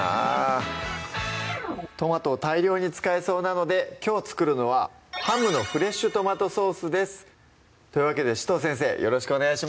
トマトを大量に使えそうなのできょう作るのは「ハムのフレッシュ・トマトソース」ですというわけで紫藤先生よろしくお願いします